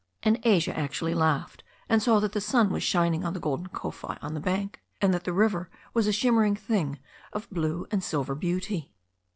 And Asia actually laughed, and saw that the sun was shining on a golden kowhai on the bank, and that the river was a shimmering thing of blue and silver beauty.